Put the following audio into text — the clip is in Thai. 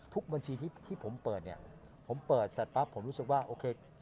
บัญชีที่ผมเปิดเนี่ยผมเปิดเสร็จปั๊บผมรู้สึกว่าโอเค